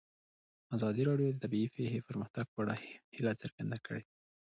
ازادي راډیو د طبیعي پېښې د پرمختګ په اړه هیله څرګنده کړې.